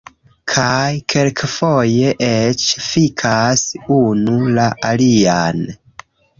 Kaj kelkfoje eĉ fikas unu la alian